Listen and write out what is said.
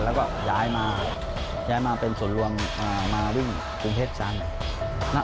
แล้วก็ย้ายมาย้ายมาเป็นส่วนรวมมาวิ่งกรุงเทพจันทร์